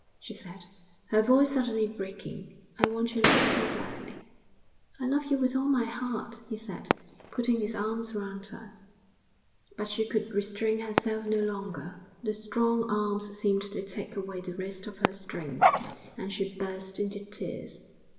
she said, her voice suddenly breaking. 'I want your love so badly.' 'I love you with all my heart!' he said, putting his arms round her. But she could restrain herself no longer; the strong arms seemed to take away the rest of her strength, and she burst into tears.